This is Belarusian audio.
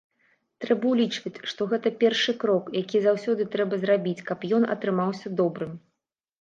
Трэба ўлічваць, што гэта першы крок, які заўсёды трэба зрабіць, каб ён атрымаўся добрым.